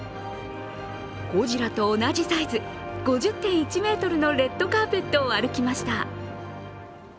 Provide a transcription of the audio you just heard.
ゴジラと同じサイズ、５０．１ｍのレッドカーペットを歩きました。